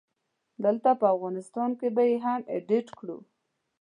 دلته په افغانستان کې به يې هم اډيټ کړو